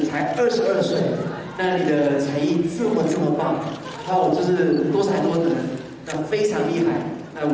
แข่งรถไม่ทำได้แล้วทุกอะไรไม่ทำได้แล้ว